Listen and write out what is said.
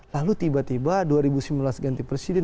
lalu tiba tiba dua ribu sembilan belas ganti presiden